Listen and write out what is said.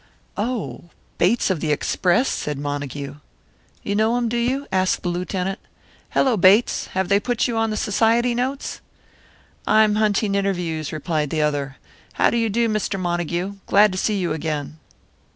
"Oh! Bates of the Express!" said Montague. "You know him, do you?" asked the Lieutenant. "Hello, Bates! Have they put you on the Society notes?" "I'm hunting interviews," replied the other. "How do you do, Mr. Montague? Glad to see you again."